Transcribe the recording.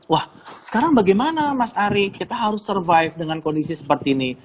wah sekarang bagaimana mas ari kita harus survive dengan kondisi seperti ini